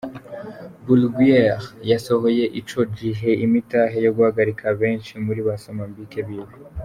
Bruguiere yarasohoye ico gihe imitahe yo guhagarika benshi muri ba somambike biwe.